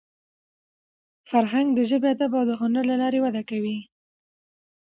فرهنګ د ژبي، ادب او هنر له لاري وده کوي.